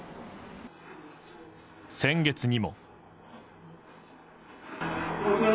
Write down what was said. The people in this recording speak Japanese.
先月にも。